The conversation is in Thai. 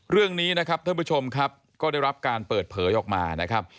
เรื่องนี้นะครับท่านผู้ชมครับก็ได้รับการเปิดเผยออกมานะครับ